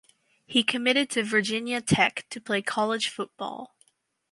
He committed to Virginia Tech to play college football.